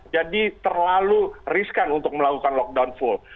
terlalu riskan untuk melakukan lockdown full